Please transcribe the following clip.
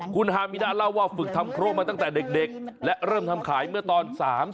คุณฮามิดาเล่าว่าฝึกทำโครงมาตั้งแต่เด็กและเริ่มทำขายเมื่อตอน๓๐